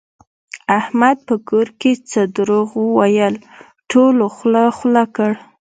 احمد په کور کې څه دروغ وویل ټولو خوله خوله کړ.